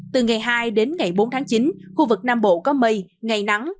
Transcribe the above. từ ngày hai đến ngày bốn tháng chín khu vực nam bộ có mây ngày nắng